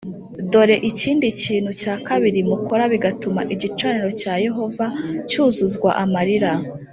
Dore ikindi kintu cya kabiri mukora bigatuma igicaniro cya Yehova cyuzuzwa amarira